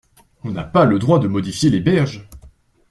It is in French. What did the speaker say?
On n’a pas le droit de modifier les berges.